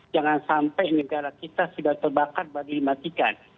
jangan sampai negara kita sudah terbakar baru dimatikan